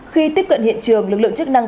khi tiếp cận hiện trường lực lượng chức năng